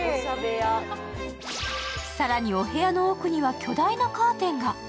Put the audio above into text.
更にお部屋の奥には巨大なカーテンが。